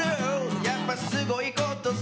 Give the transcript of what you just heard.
やっぱすごいことさ。